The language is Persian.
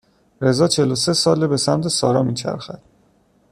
رضا چهلوسه ساله به سمت سارا میچرخد